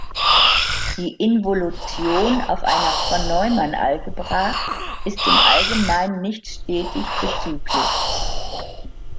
Die Involution auf einer Von-Neumann-Algebra ist im Allgemeinen nicht stetig bzgl.